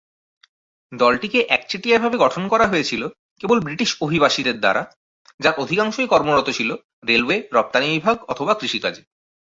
দলটিকে একচেটিয়াভাবে গঠন করা হয়েছিল কেবল ব্রিটিশ অভিবাসীদের দ্বারা, যার অধিকাংশই কর্মরত ছিল রেলওয়ে, রপ্তানি বিভাগ অথবা কৃষি কাজে।